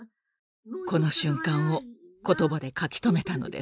この瞬間を言葉で書き留めたのです。